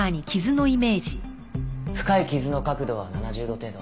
深い傷の角度は７０度程度。